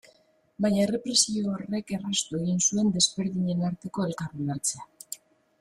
Baina errepresio horrek erraztu egin zuen desberdinen arteko elkar ulertzea.